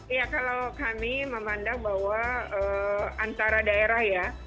iya kalau kami memandang bahwa antara daerah ya